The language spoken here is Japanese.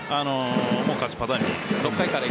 もう勝ちパターンに。